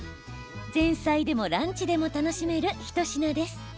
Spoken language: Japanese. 前菜でもランチでも楽しめる一品です。